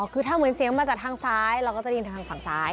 คือถ้าเหมือนเสียงมาจากทางซ้ายเราก็จะได้ยินทางฝั่งซ้าย